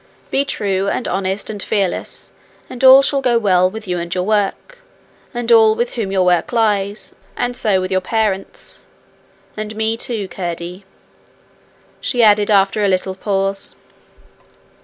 Be true and honest and fearless, and all shall go well with you and your work, and all with whom your work lies, and so with your parents and me too, Curdie,' she added after a little pause.